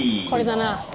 これだな。